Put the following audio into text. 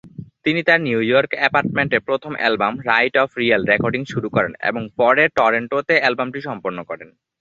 তিনি তার New York অ্যাপার্টমেন্টে প্রথম album, "right of real" recording শুরু করেন, এবং পরে টরন্টোতে অ্যালবামটি সম্পন্ন করেন।